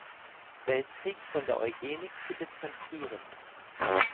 Weltkrieg von der Eugenik zu distanzieren.